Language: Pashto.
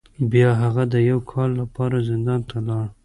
بیا هغه د یو کال لپاره زندان ته لاړ.